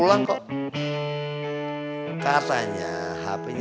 loh kok mati